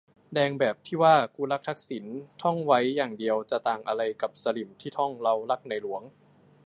แดงที่แบบว่า "กูรักทักษิณ" ท่องไว้อย่างเดียวจะต่างอะไรกับสลิ่มที่ท่อง "เรารักในหลวง"